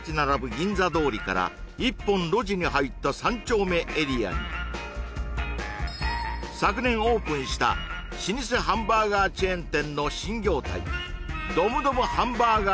銀座通りから一本路地に入った３丁目エリアに昨年オープンした老舗ハンバーガーチェーン店の新業態